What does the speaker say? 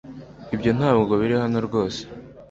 Ibyo ntabwo biri hano rwose